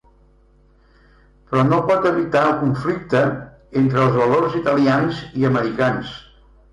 Però no pot evitar el conflicte entre els valors italians i americans.